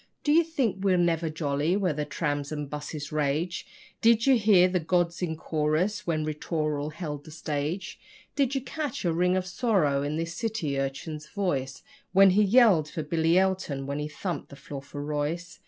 Do you think we're never jolly where the trams and buses rage? Did you hear the gods in chorus when 'Ri tooral' held the stage? Did you catch a ring of sorrow in the city urchin's voice When he yelled for Billy Elton, when he thumped the floor for Royce?